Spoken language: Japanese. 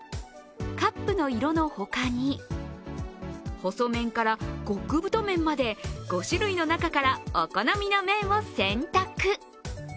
カップの色の他に、細麺から極太麺まで５種類の中からお好みの麺を選択。